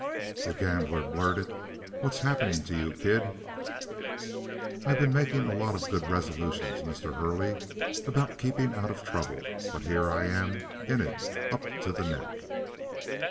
The gambler blurted: "What's happening to you, kid?" "I've been making a lot of good resolutions, Mr. Hurley, about keeping out of trouble; but here I am in it up to the neck."